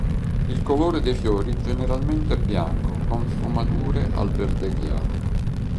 Il colore dei fiori generalmente è bianco con sfumature al verde chiaro.